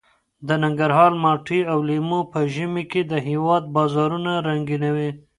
د ننګرهار مالټې او لیمو په ژمي کې د هېواد بازارونه رنګینوي.